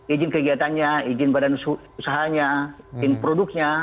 izin kegiatannya izin badan usahanya izin produknya